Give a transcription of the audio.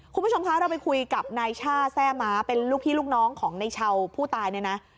คุณผู้ชมคะเราไปคุยกับนายช่าแซ่ม้าเป็นลูกพี่ลูกน้องของในเช้าผู้ตายเนี่ยนะ